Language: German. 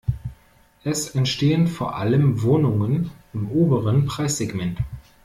Es entstehen vor allem Wohnungen im oberen Preissegment.